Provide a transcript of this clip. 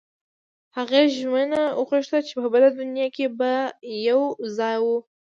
هغې ژمنه وغوښته چې په بله دنیا کې به یو ځای وو